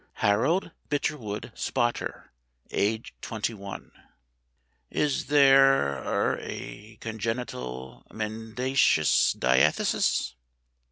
"Harold Bitterwood Spotter, age twenty one." "Is there er a congenital mendacious diathesis?"